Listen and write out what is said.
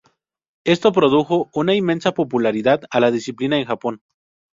Esto produjo una inmensa popularidad a la disciplina en Japón.